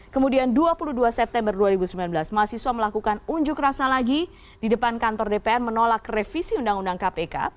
kemudian dua puluh dua september dua ribu sembilan belas mahasiswa melakukan unjuk rasa lagi di depan kantor dpr menolak revisi undang undang kpk